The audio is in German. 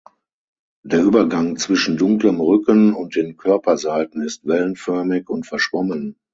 Der Übergang zwischen dunklem Rücken und den Körperseiten ist wellenförmig und verschwommen.